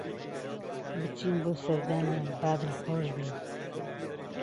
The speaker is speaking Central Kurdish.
بچین بۆ سەردانیان با دڵخۆش بین